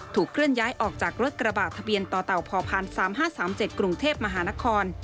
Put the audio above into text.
เคลื่อนย้ายออกจากรถกระบะทะเบียนต่อเต่าพ๓๕๓๗กรุงเทพมหานคร